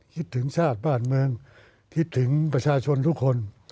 คิดถึงชาติบ้านเมืองคิดถึงประชาชนทุกคน